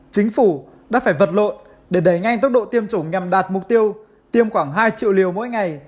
chính phủ đã phải vật lộn để đẩy nhanh tốc độ tiêm chủng nhằm đạt mục tiêu tiêm khoảng hai triệu liều mỗi ngày